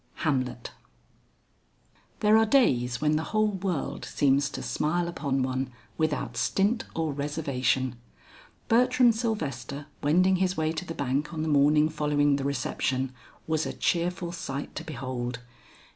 HAMLET. There are days when the whole world seems to smile upon one without stint or reservation. Bertram Sylvester wending his way to the bank on the morning following the reception, was a cheerful sight to behold.